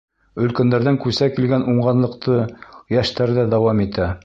Өлкәндәрҙән күсә килгән уңғанлыҡты йәштәр ҙә дауам итә.